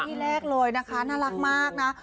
ที่แรกเลยนะคะน่ารักมากนะ